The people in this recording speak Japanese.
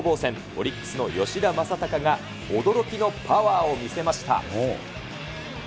オリックスの吉田正尚が、驚きのパワーを見せました。